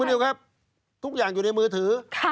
นิวครับทุกอย่างอยู่ในมือถือ